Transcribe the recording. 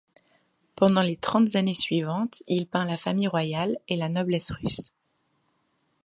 Pendant les trente années suivantes, il peint la famille royale et la noblesse russe.